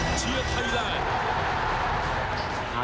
ไทรรัดเชื่อไทรรัด